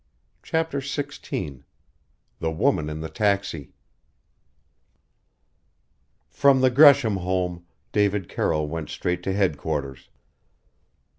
CHAPTER XVI THE WOMAN IN THE TAXI From the Gresham home, David Carroll went straight to headquarters.